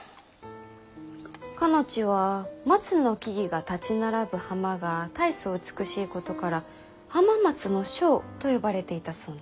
かの地は松の木々が立ち並ぶ浜が大層美しいことから浜松庄と呼ばれていたそうな。